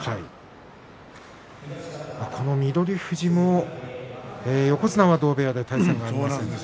この翠富士も横綱は同部屋で対戦がありません。